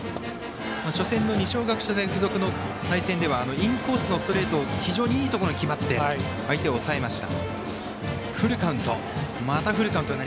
初戦の二松学舎大付属の対戦ではインコースのストレートがいいところに決まって相手を抑えました。